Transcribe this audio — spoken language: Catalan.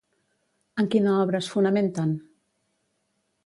En quina obra es fonamenten?